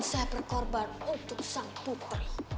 saya berkorban untuk sang putri